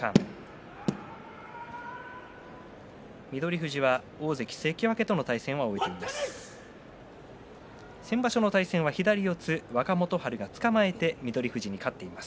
富士は、大関関脇との対戦は終わっています。